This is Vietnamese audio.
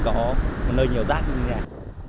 có một nơi nhiều rác như thế này